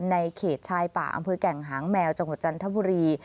ในเขตชายป่าอำเภอแก่งหางแมวจังหวัดจันทบุรี